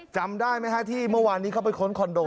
จำได้ไหมฮะที่เมื่อวานนี้เข้าไปค้นคอนโด